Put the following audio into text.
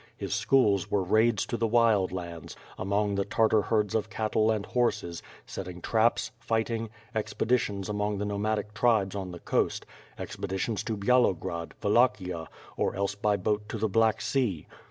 His schools were raids to the Wild Lands, among the Tartar herds of cattle and horses, .setting traps, fighting, ex peditions among the nomadic tribes on the coast; expeditions ^8 WITH FIRE AND SWORD. to Byalogrod, Wallachia, or else by boat to the Black Sea.